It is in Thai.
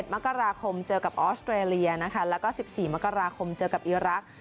มกราคมเจอกับออสเตรเลียนะคะแล้วก็๑๔มกราคมเจอกับอีรักษ์